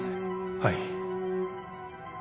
はい。